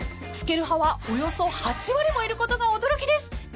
［つける派はおよそ８割もいることが驚きです］